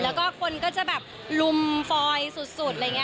แล้วก็คนก็จะแบบลุมฟอยสุดอะไรอย่างนี้